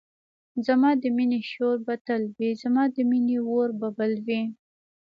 زما د مینی شور به تل وی زما د مینی اور به بل وی